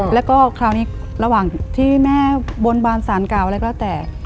แล้วก็คราวนี้ระหว่างที่แม่บนบานสารเก่าอะไรก็แต่